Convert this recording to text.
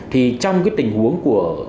thì trong tình huống của